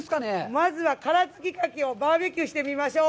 まずは、殻つきカキをバーベキューしてみましょう！